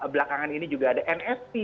belakangan ini juga ada nft